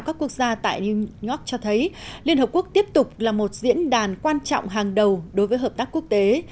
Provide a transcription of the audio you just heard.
các quốc gia tại new york cho thấy liên hợp quốc tiếp tục là một diễn đàn quan trọng hàng đầu đối với hợp tác quốc tế